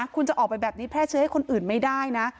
คุณจะออกไปแบบนี้แพร่เชื้อให้คนอื่นไม่ได้นะ